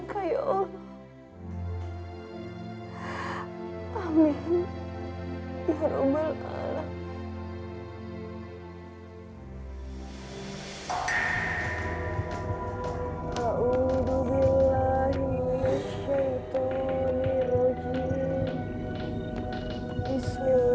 agar kami terhindar dari azal